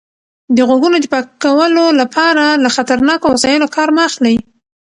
د غوږونو د پاکولو لپاره له خطرناکو وسایلو کار مه اخلئ.